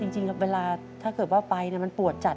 จริงเวลาถ้าเกิดว่าไปมันปวดจัด